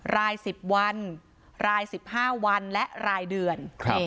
รายสิบวันรายสิบห้าวันและรายเดือน